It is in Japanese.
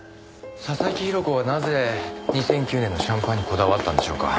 佐々木広子はなぜ２００９年のシャンパンにこだわったんでしょうか？